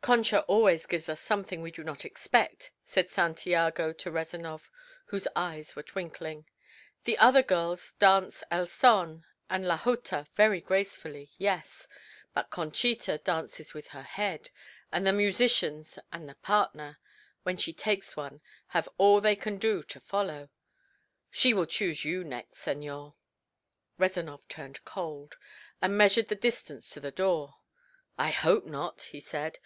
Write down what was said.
"Concha always gives us something we do not expect," said Santiago to Rezanov, whose eyes were twinkling. "The other girls dance El Son and La Jota very gracefully yes. But Conchita dances with her head, and the musicians and the partner, when she takes one, have all they can do to follow. She will choose you, next, senor." Rezanov turned cold, and measured the distance to the door. "I hope not!" he said.